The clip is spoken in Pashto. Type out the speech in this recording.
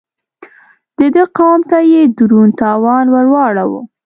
د ده قوم ته يې دروند تاوان ور واړاوه.